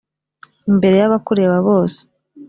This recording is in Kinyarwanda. imbere y abakureba bose